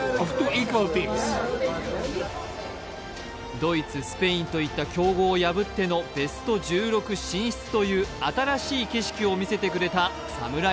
ドイツ、スペインといった強豪を破ってのベスト８進出といった新しい景色を見せてくれたサムライ